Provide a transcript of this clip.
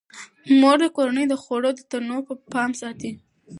مور د کورنۍ د خوړو د تنوع پام ساتي.